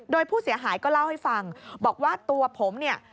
โดยผู้เสียหายก็เล่าให้ฟังบอกว่าตัวผมเนี่ย